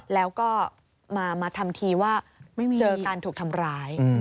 แล้วก็มาทำทีว่าเจอการถูกทำร้าย